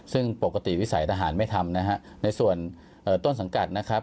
ซึ่งปกติวิสัยทหารไม่ทำนะฮะในส่วนต้นสังกัดนะครับ